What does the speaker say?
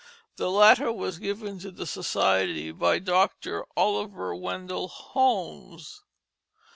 The latter was given to the society by Dr. Oliver Wendell Holmes.